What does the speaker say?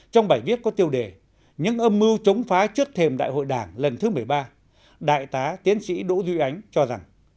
trong bài viết có tiêu đề những âm mưu chống phá trước thềm đại hội đảng lần thứ một mươi ba đại tá tiến sĩ đỗ duy ánh cho rằng